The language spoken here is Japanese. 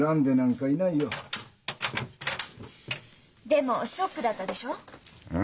でもショックだったでしょう？